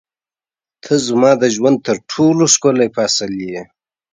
• ته زما د ژوند تر ټولو ښکلی فصل یې.